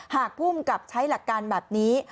ภูมิกับใช้หลักการแบบนี้